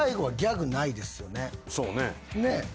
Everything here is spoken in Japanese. そうね。